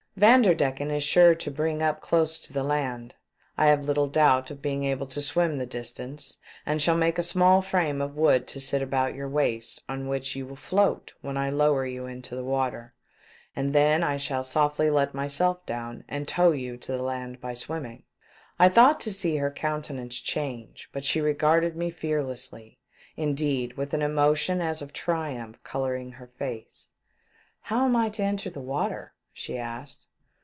Vanderdecken is sure to bring up close to the land ; I have little doubt of being able to swim the distance, and shall make a small frame of wood to sit about your waist on which you will float when I lower you into the water, and then I shall softly let myself down and tow you to the land by swimming." I thought to see her countenance change, but she regarded me fearlessly, indeed with an emotion as of triumph colouring her face. LAND, 445 " How am I to enter the water ?" she asked.